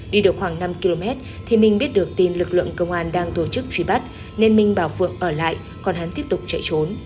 đi được khoảng năm km thì minh biết được tin lực lượng công an đang tổ chức truy bắt nên minh bà phượng ở lại còn hắn tiếp tục chạy trốn